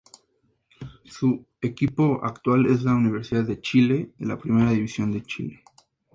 Su equipo actual es la Universidad de Chile, de la Primera División de Chile.